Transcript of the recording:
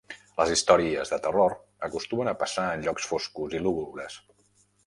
Les històries de terror acostumen a passar en llocs foscos i lúgubres.